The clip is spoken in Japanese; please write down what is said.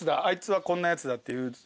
あいつはこんなやつだっていう。